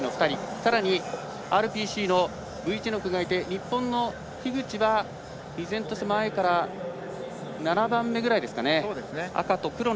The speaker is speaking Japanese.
さらにＲＰＣのブィチェノクがいて日本の樋口は依然として前から７番目ぐらいですか。